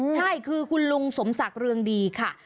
ใช่คือคุณลุงสมศักดิ์เรืองดีค่ะ